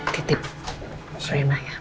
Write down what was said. titip rena ya